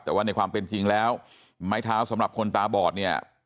แต่ว่าในความเป็นจริงแล้วไม้เท้าสำหรับคนตาบอดเนี่ย